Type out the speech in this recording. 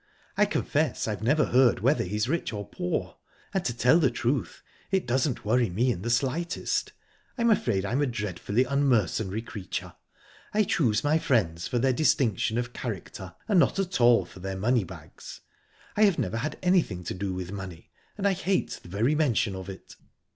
I confess I've never heard whether he's rich or poor, and, to tell the truth, it doesn't worry me in the slightest. I'm afraid I'm a dreadfully unmercenary creature; I choose my friends for their distinction of character, and not at all for their money bags. I've never had anything to do with money, and I hate the very mention of it."